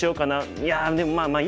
いやでもまあまあいいや。